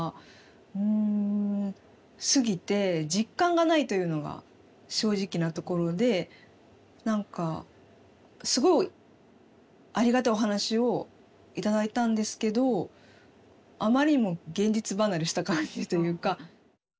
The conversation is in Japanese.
うんすぎて実感がないというのが正直なところで何かすごいありがたいお話を頂いたんですけどあまりにも現実離れした感じというか。